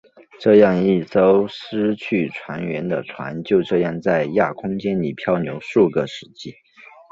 这样一艘失去船员的船就这样在亚空间里飘流数个世纪。